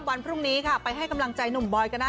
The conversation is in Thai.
วันพรุ่งนี้ค่ะไปให้กำลังใจหนุ่มบอยกันนะ